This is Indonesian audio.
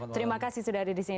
terima kasih sudah ada di sini